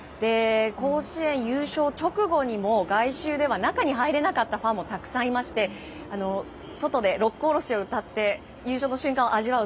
甲子園、優勝直後にも外周では中に入れなかったファンもたくさんいまして外で「六甲おろし」を歌って優勝の瞬間を味わう